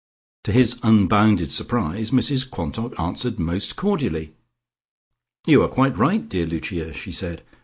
To his unbounded surprise Mrs Quantock answered most cordially. "You are quite right, dear Lucia," she said.